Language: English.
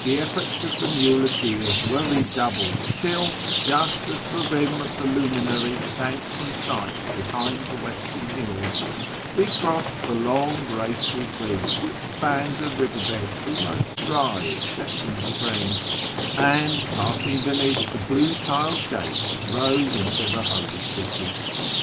elTorts of the muleteers were redoubled, till, Just as the rim of the luminary sank from sight l)ehind the western hills, we crossed the long, graceful bridge which spans a river bed almost dry except in spring, and, passing benearth the blue tiled gate, rode into the holy city.